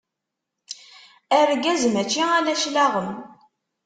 Argaz mačči ala cclaɣem.